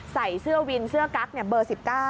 ใส่เสื้อวินเสื้อกั๊กเบอร์๑๙